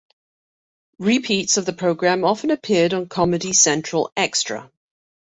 Repeats of the programme often appeared on Comedy Central Extra.